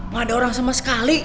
gak ada orang sama sekali